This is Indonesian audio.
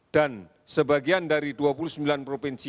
sebagian dari dua puluh sembilan provinsi